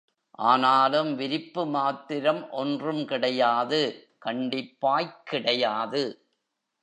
ஆனாலும், விரிப்பு மாத்திரம் ஒன்றும் கிடையாது கண்டிப்பாய்க் கிடையாது.